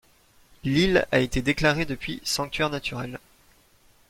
L'île a été déclarée depuis sanctuaire naturel.